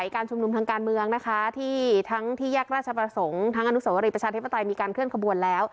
การชุมนุมทางการเมืองนะคะที่ทั้งที่แยกราชประสงค์ทั้งอนุสวรีประชาธิปไตยมีการเคลื่อนขบวนแล้ว